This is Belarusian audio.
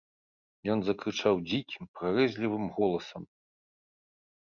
Ён закрычаў дзікім, прарэзлівым голасам.